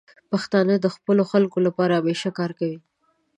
پښتانه د خپلو خلکو لپاره همیشه کار کوي.